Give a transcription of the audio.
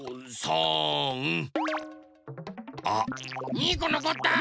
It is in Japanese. ２このこった！